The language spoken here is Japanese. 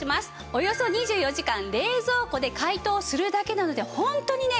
およそ２４時間冷蔵庫で解凍するだけなのでホントにね